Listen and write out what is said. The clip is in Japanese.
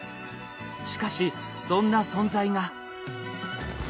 しかしそんな存在が。